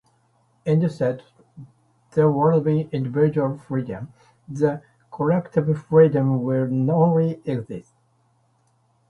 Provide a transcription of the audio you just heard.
In this state, there won't be individual freedom, the collective freedom will only exist.